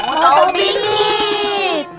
mau tahu bingit